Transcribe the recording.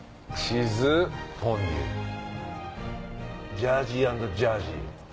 ジャージー＆ジャージー。